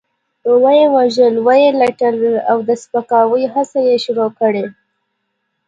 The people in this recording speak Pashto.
وه يې وژل، وه يې رټل او د سپکاوي هڅې يې شروع کړې.